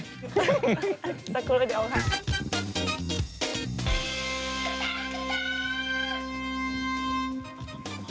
สักครู่เดียวค่ะ